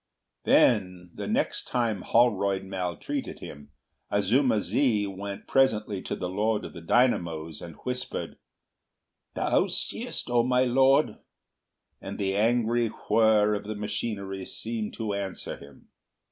Then, the next time Holroyd maltreated him, Azuma zi went presently to the Lord of the Dynamos and whispered, "Thou seest, O my Lord!" and the angry whir of the machinery seemed to answer him.